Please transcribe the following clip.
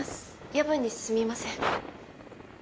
夜分にすみません